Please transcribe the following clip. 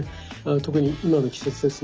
特に今の季節ですね。